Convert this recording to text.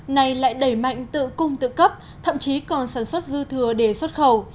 này lại đẩy mạnh tự cung tự cấp thậm chí còn sản xuất dư thừa để xuất khẩu